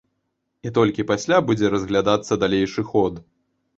І толькі пасля будзе разглядацца далейшы ход.